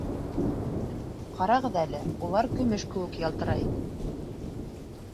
Ҡарағыҙ әле, улар көмөш кеүек ялтырай